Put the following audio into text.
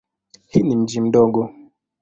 Hii ni mji mdogo.